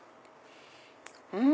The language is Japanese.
うん！